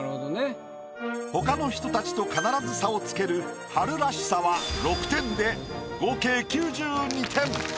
ほかの人たちと必ず差をつける春らしさは６点で合計９２点。